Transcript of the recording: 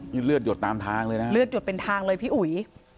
นี่เลือดหยดตามทางเลยนะเลือดหยดเป็นทางเลยพี่อุ๋ย